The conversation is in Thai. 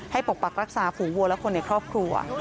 ปกปักรักษาฝูงวัวและคนในครอบครัว